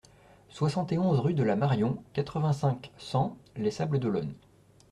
soixante et onze rue de la Marion, quatre-vingt-cinq, cent, Les Sables-d'Olonne